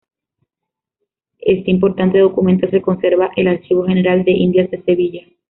Este importante documento se conserva el Archivo General de Indias de Sevilla.